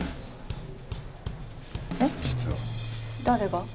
誰が？